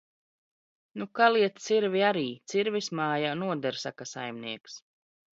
Nu, kaliet cirvi, ar? cirvis m?j? noder, - saka saimnieks.